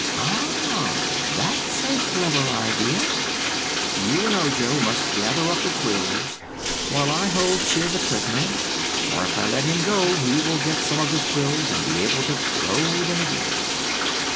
"Ah, that's a clever idea. You and Ojo must gather up the quills while I hold Chiss a prisoner; for, if I let him go, he will get some of his quills and be able to throw them again."